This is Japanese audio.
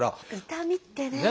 痛みってね。